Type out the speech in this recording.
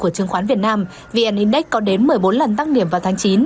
của chứng khoán việt nam vn index có đến một mươi bốn lần tăng điểm vào tháng chín